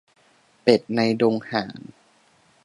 เป็ดในดงห่าน